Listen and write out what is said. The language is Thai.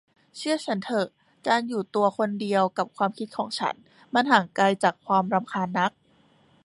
เชื่อฉันเถอะ การอยู่ตัวคนเดียวกับความคิดของฉัน มันห่างไกลจากความรำคาญนัก